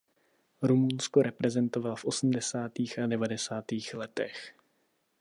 Rumunsko reprezentoval v osmdesátých a devadesátých letech.